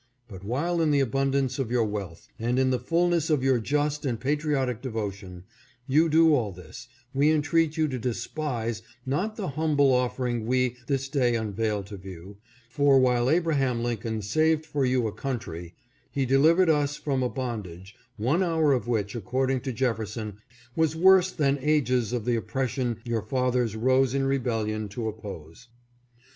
But while in the abundance of your wealth, and in the fullness of your just and patriotic devotion, you do all this, we entreat you to despise not the humble offering we this day unveil to view ; for while Abraham Lincoln saved for you a country, he delivered us from a bondage, one hour of which, according to Jefferson, was worse than ages of the oppression your fathers rose in rebellion to oppose.